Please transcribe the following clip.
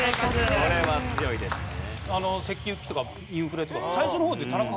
これは強いですね。